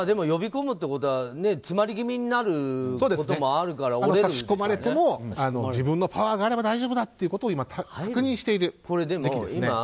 呼び込むということは詰まり気味になることもあるから差し込まれても自分のパワーがあれば大丈夫だということを今、確認している時期ですね。